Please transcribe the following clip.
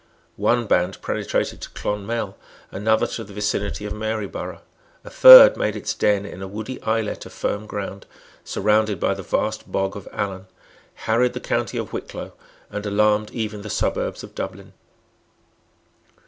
One band penetrated to Clonmel, another to the vicinity of Maryborough; a third made its den in a woody islet of firm ground, surrounded by the vast bog of Allen, harried the county of Wicklow, and alarmed even the suburbs of Dublin.